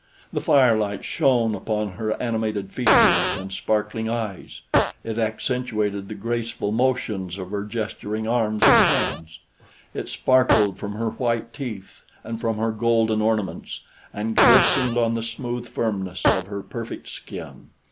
The firelight shone upon her animated features and sparkling eyes; it accentuated the graceful motions of her gesturing arms and hands; it sparkled from her white teeth and from her golden ornaments, and glistened on the smooth firmness of her perfect skin.